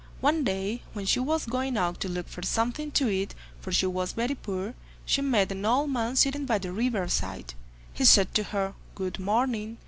One day when she was going out to look for something to eat, for she was very poor, she met an old man sitting by the river side. He said to her "Good morning."